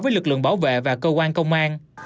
với lực lượng bảo vệ và cơ quan công an